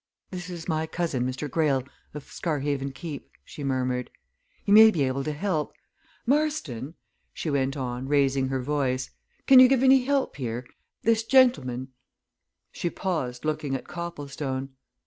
"This is my cousin, Mr. Greyle, of Scarhaven Keep," she murmured. "He may be able to help. Marston!" she went on, raising her voice, "can you give any help here? This gentleman " she paused, looking at Copplestone.